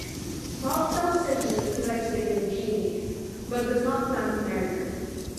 Bob tells Sidney he likes dating Jeanie, but does not plan to marry her.